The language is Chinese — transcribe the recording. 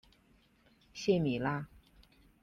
谢米拉。